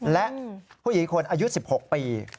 และผู้หญิงคนอายุ๑๖ปี